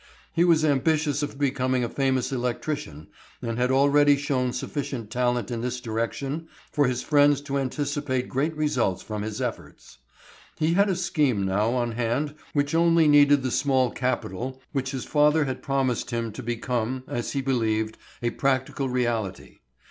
He was ambitious of becoming a famous electrician and had already shown sufficient talent in this direction for his friends to anticipate great results from his efforts. He had a scheme now on hand which only needed the small capital which his father had promised him to become, as he believed, a practical reality.